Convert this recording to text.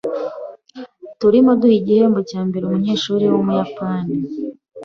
Turimo guha igihembo cyambere umunyeshuri wumuyapani.